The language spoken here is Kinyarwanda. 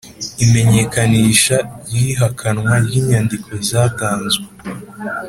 Imenyekanisha ry’ihakanwa ry’inyandiko zatanzwe